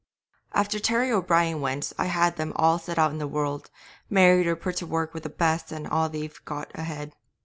'After Terry O'Brien went I had them all set out in the world, married or put to work with the best, and they've got ahead.